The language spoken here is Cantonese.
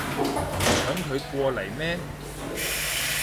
搶佢過嚟咩